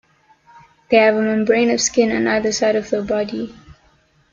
They have a membrane of skin on either side of their body.